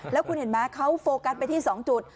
แล้วคุณเห็นไหมเขาโฟกัสไปที่๒จุด